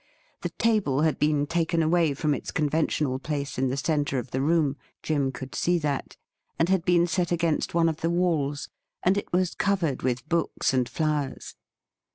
The table had been taken away from its conventional place in the centre of the room — Jim could see that — and had been set against one of the walls, and it was covered with books and flowers.